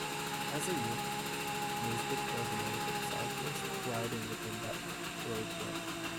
As a youth, Nesbitt was a noted cyclist, riding with the Bath Road Club.